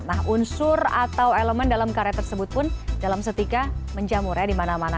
nah unsur atau elemen dalam karya tersebut pun dalam setika menjamur ya di mana mana